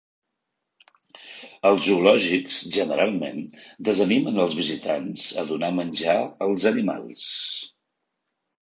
Els zoològics generalment desanimen als visitants a donar menjar als animals.